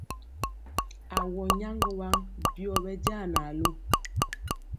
Awɔ nyaŋgɔ waŋ byɔ ɓɛ ja naalu.